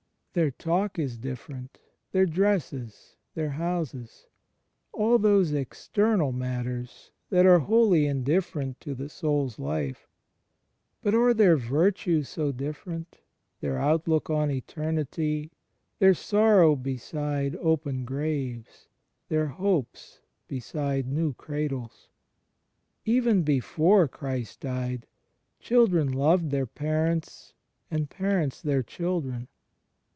Their talk is different, their dresses, their houses — all those external matters that are wholly indifferent to the soul's life. But are their virtues so different, their outlook on eternity, their sorrow beside open graves, their hopes beside new cradles? ... Even before Christ died, children loved their parents and parents their children.